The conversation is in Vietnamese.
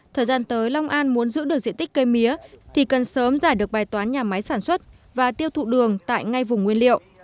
thời gian tới long an muốn giữ được diện tích cây mía thì cần sớm giải được bài toán nhà máy sản xuất và tiêu thụ đường tại ngay vùng nguyên liệu